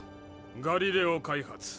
ガリレオ開発。